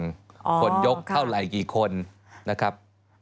คนยกเท่าไหร่กี่คนนะครับ